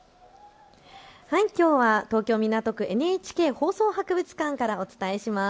きょうは東京港区、ＮＨＫ放送博物館からお伝えします。